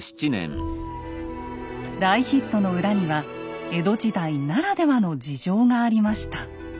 大ヒットの裏には江戸時代ならではの事情がありました。